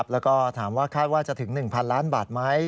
แล้วก็ถามว่าคาดว่าจะถึง๑๐๐ล้านบาทไหม